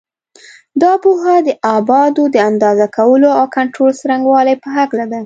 دا پوهه د ابعادو د اندازه کولو او کنټرول څرنګوالي په هکله ده.